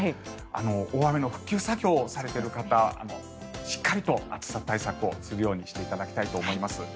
大雨の復旧作業をされている方しっかりと暑さ対策をするようにしていただきたいと思います。